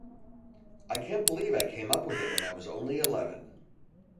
I can't believe I came up with it when I was only eleven.